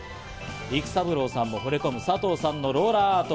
育三郎さんもほれ込む、さとうさんのローラーアート。